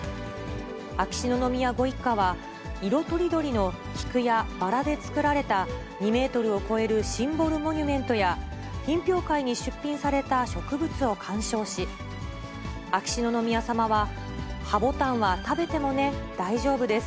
秋篠宮ご一家は、色とりどりの菊やバラで作られた、２メートルを超えるシンボルモニュメントや、品評会に出品された植物を鑑賞し、秋篠宮さまは、葉ボタンは食べてもね、大丈夫です。